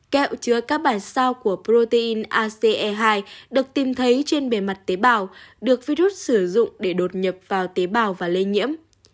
kẹo chứa các bản sao của protein ace hai được tìm thấy trên bề mặt tế bào được virus sử dụng để đột nhập vào tế bào và lây nhiễm